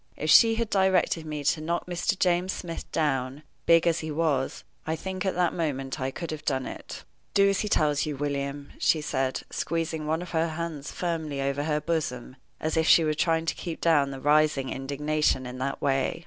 If she had directed me to knock Mr. James Smith down, big as he was, I think at that moment I could have done it. "Do as he tells you, William," she said, squeezing one of her hands firmly over her bosom, as if she was trying to keep down the rising indignation in that way.